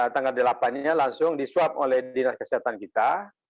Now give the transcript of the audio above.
tanggal delapan nya langsung disuap oleh dinas kesehatan kita